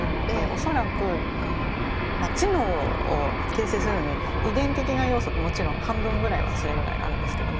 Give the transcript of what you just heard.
恐らくあのまあ知能を形成するのに遺伝的な要素ってもちろん半分ぐらいはそれぐらいあるんですけれども。